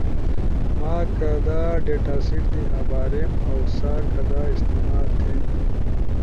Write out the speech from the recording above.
ما کدا ڈیٹا سیٹ تی اباریم اؤ سا کدا استعمال تھیم۔